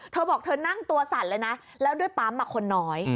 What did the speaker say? เธอบอกเธอนั่งตัวสั่นเลยนะแล้วด้วยปั๊มคนน้อย